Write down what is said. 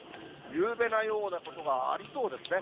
ゆうべのようなことがありそうですね。